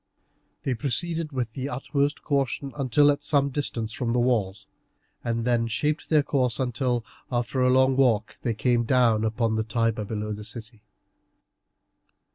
They proceeded with the utmost caution until at some distance from the walls; and then shaped their course until, after a long walk, they came down upon the Tiber below the city.